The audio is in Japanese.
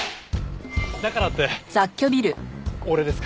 だからって俺ですか？